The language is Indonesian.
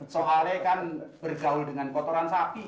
soalnya kan bergaul dengan kotoran sapi